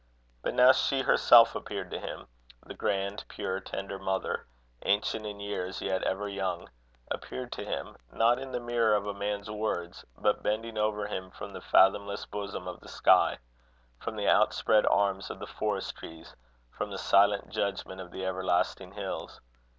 But now she herself appeared to him the grand, pure, tender mother, ancient in years, yet ever young; appeared to him, not in the mirror of a man's words, but bending over him from the fathomless bosom of the sky, from the outspread arms of the forest trees, from the silent judgment of the everlasting hills.